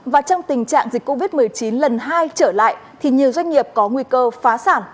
và trong tình trạng dịch covid một mươi chín lần hai trở lại thì nhiều doanh nghiệp có nguy cơ phá sản